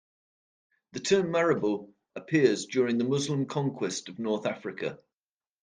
The term Marabout appears during the Muslim conquest of North Africa.